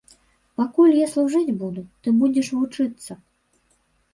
Пакуль я служыць буду, ты будзеш вучыцца.